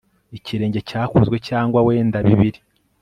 ikirenge cyakozwe cyangwa wenda bibiri